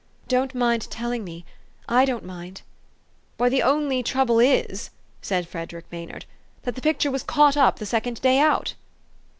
Don't mind telling me. / don't mind." " Why, the only trouble is," said Frederick Ma} T nard, "that the picture was caught up the second day out."